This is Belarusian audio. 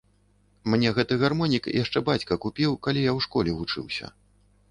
Мне гэты гармонік яшчэ бацька купіў, калі я ў школе вучыўся.